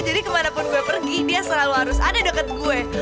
jadi kemanapun gue pergi dia selalu harus ada deket gue